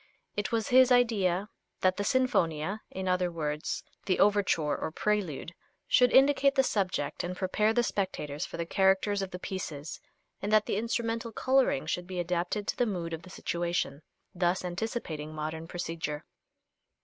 It was his idea that the Sinfonia, in other words the Overture or Prelude, should indicate the subject and prepare the spectators for the characters of the pieces, and that the instrumental coloring should be adapted to the mood of the situation, thus anticipating modern procedure.